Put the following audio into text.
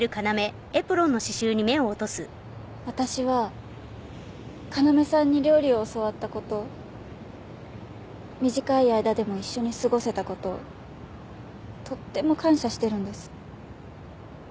私は要さんに料理を教わったこと短い間でも一緒に過ごせたこととっても感謝してるんです。